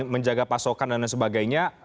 menjaga pasokan dan lain sebagainya